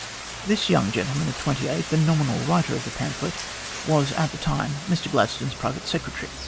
This young gentleman of twenty eight, the nominal writer of the pamphlet, was at the time Mr Gladstone's private secretary.